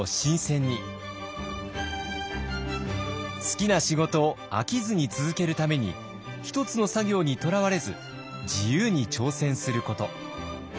好きな仕事を飽きずに続けるために１つの作業にとらわれず自由に挑戦すること。